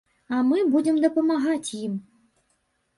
А мы будзем дапамагаць ім.